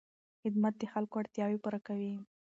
خدمت د خلکو اړتیاوې پوره کوي.